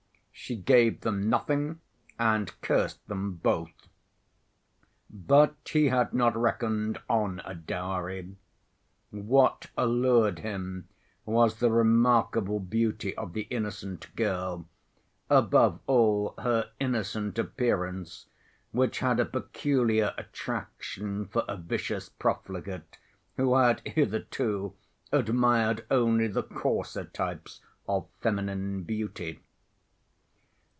She gave them nothing and cursed them both. But he had not reckoned on a dowry; what allured him was the remarkable beauty of the innocent girl, above all her innocent appearance, which had a peculiar attraction for a vicious profligate, who had hitherto admired only the coarser types of feminine beauty.